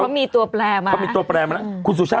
มีตัวแปรมา